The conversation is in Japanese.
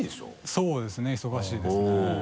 そうですね忙しいですね。